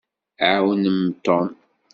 Ɛawnem Tom.